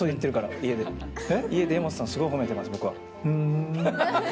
家で、柄本さん、すごく褒めています、僕は。